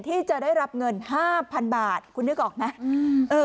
ที่จะได้รับเงินห้าพันบาทคุณนึกออกไหมอืม